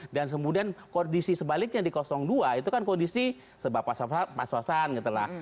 dan kemudian kondisi sebaliknya di dua itu kan kondisi pas pas pas pas pasan gitu lah